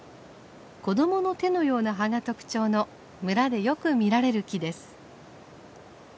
子供の手のような葉が特徴の村でよく見られる木です。